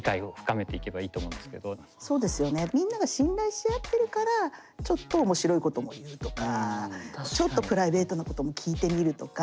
みんなが信頼し合ってるからちょっと面白いことも言うとかちょっとプライベートなことも聞いてみるとか。